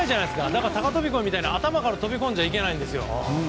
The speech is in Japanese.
だから高飛込みたいに、頭から飛び込んじゃだめなんですよ。